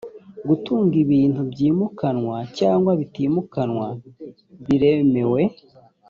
gutunga ibintu byimukanwa cyangwa bitimukanwa biremewe